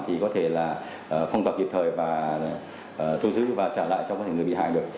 thì có thể là phong tỏa kịp thời và thu giữ và trả lại cho những người bị hại được